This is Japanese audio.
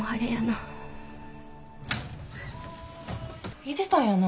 いてたんやな。